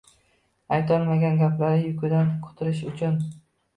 Aytolmagan gaplari yukidan qutulish uchun.